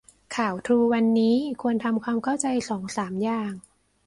ข่าวทรูวันนี้ควรทำความเข้าใจสองสามอย่าง